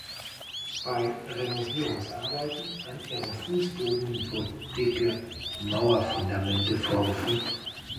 Bei Renovierungsarbeiten an ihrem Fußboden wurden dicke Mauerfundamente vorgefunden.